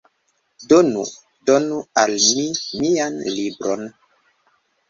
Donu! Donu al mi mian libron!